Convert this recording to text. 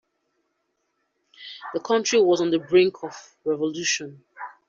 The country was on the brink of revolution.